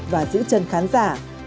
và giữ chân khán giả